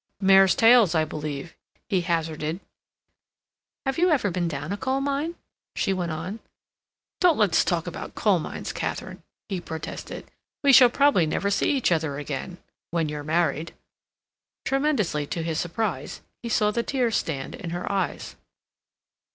"Mares' tails, I believe," he hazarded. "Have you ever been down a coal mine?" she went on. "Don't let's talk about coal mines, Katharine," he protested. "We shall probably never see each other again. When you're married—" Tremendously to his surprise, he saw the tears stand in her eyes.